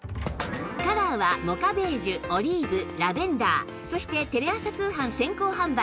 カラーはモカベージュオリーブラベンダーそしてテレ朝通販先行販売